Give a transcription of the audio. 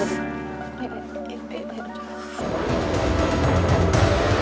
aduh aduh aduh